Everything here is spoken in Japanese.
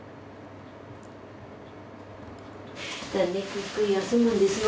ゆっくり休むんですよ。